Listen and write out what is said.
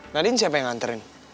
nadine siapa yang hantarin